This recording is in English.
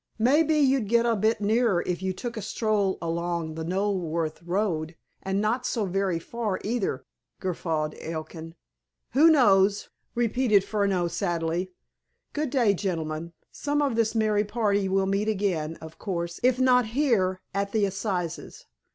"May be you'd get a bit nearer if you took a stroll along the Knoleworth Road, and not so very far, either," guffawed Elkin. "Who knows?" repeated Furneaux sadly. "Good day, gentlemen. Some of this merry party will meet again, of course, if not here, at the Assizes.